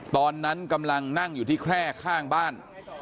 ตอนนั้นกำลังนั่งอยู่ที่แคร่ข้างบ้าน